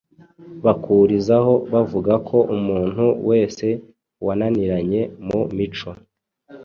bakurizaho bavuga ko umuntu wese wananiranye mu mico